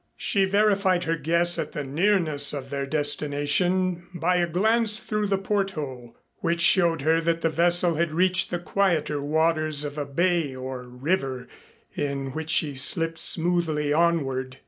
She verified her guess at the nearness of their destination by a glance through the port hole, which showed her that the vessel had reached the quieter waters of a bay or river in which she slipped smoothly onward.